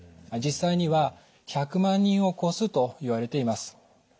実際には１００万人を超すといわれています。